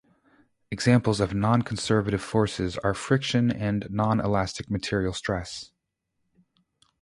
Examples of nonconservative forces are friction and non-elastic material stress.